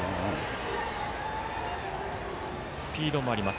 スピードもあります